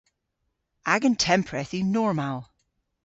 Agan tempredh yw normal.